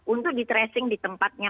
untuk di tracing di tempatnya